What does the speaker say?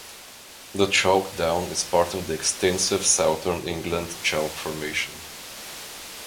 The chalk down is part of the extensive Southern England Chalk Formation.